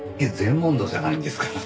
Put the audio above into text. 禅問答じゃないんですから。